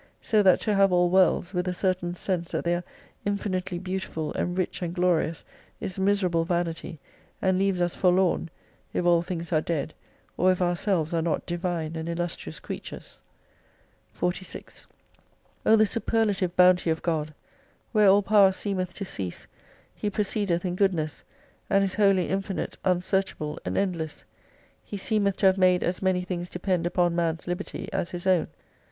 So that to have all worlds.with a certain sense that they are infinitely beautiful and rich and glorious is miserable vanity, and leaves us forlorn, if all things are dead, or if ourselves are not Divine and illustrious creatures. 46 O the superlative Bounty of God ! Where all power seemeth to cease, He proceedeth in goodness, and is wholly infinite, unsearchable, and endless. He seemeth to have made as many things depend upon man's liberty, as His own.